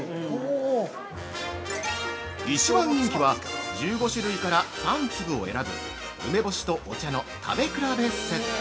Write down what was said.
◆一番人気は１５種類から３粒を選ぶ梅干しとお茶の食べ比べセット。